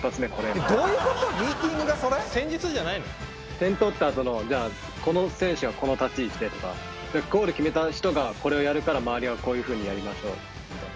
点取ったあとのじゃあこの選手がこの立ち位置でとかゴール決めた人がこれをやるから周りはこういうふうにやりましょうみたいな。